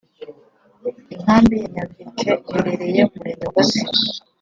Inkambi ya Nyabiheke iherereye mu Murenge wa Gatsibo